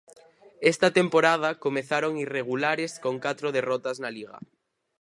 Esta temporada comezaron irregulares con catro derrotas na Liga.